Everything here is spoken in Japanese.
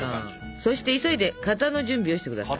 そして急いで型の準備をして下さい。